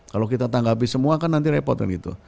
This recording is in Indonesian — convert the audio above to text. kalau kita tanggapi semua kan nanti repot kan gitu